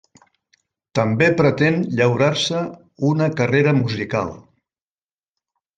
També pretén llaurar-se una carrera musical.